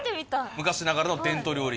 昔ながらの伝統料理。